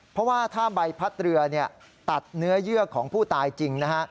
เพราะว่าถ้าใบพัดเรือตัดเนื้อเยื่อของผู้ตายจริงนะฮะ